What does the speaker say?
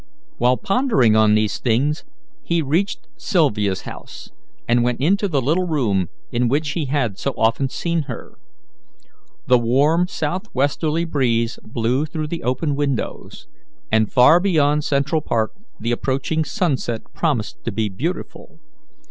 While pondering on these things, he reached Sylvia's house, and went into the little room in which he had so often seen her. The warm southwesterly breeze blew through the open windows, and far beyond Central Park the approaching sunset promised to be beautiful.